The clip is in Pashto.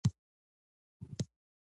درمل د سی ار جي پي موادو اغېزې مخه نیسي.